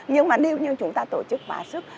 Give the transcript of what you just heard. nhưng mà nếu như chúng ta tổ chức quá sức